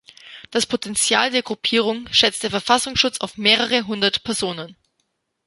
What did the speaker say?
Das Potenzial der Gruppierung schätzte der Verfassungsschutz auf mehrere hundert Personen.